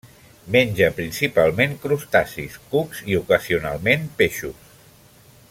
Menja principalment crustacis, cucs i, ocasionalment, peixos.